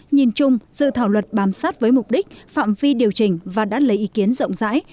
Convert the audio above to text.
nhìn chung dự thảo luật bám sát với mục đích phạm vi điều chỉnh và đã lấy ý kiến rộng rãi